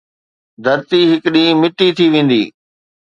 ڌرتي هڪ ڏينهن مٽي ٿي ويندي